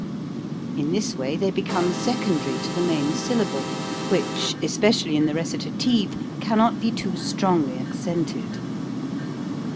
In this way they be come secondary to the main syllable which, especially in the recitative, cannot be too strongly accented.